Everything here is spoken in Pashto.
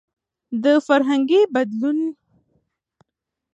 د فرهنګي بدلون له لارې موږ سره یو شو.